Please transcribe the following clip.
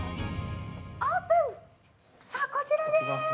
オープン、こちらでーす。